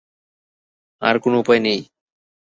আর কোনো উপায় নেই।